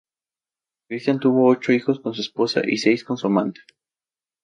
Cristián tuvo ocho hijos con su esposa y seis con su amante.